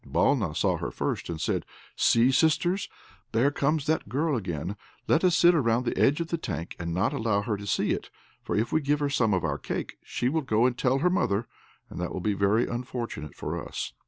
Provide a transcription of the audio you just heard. Balna saw her first, and said, "See, sisters, there comes that girl again. Let us sit round the edge of the tank and not allow her to see it, for if we give her some of our cake, she will go and tell her mother; and that will be very unfortunate for us."